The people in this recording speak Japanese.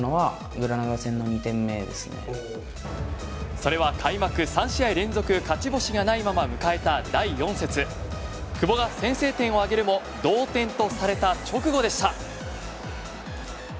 それは開幕３試合連続勝ち星がないまま迎えた第４節久保が先制点を挙げるも同点とされた直後でした。